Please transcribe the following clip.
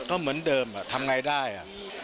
ก็เหมือนเดิมทำไงได้